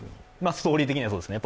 ストーリー的にはそうですね。